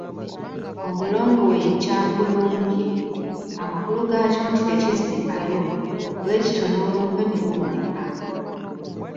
Omulongo we ye Kyakulumbye, amakulu gakyo nti tekizzikayo, bwekityo n'olumbe teruwoneka.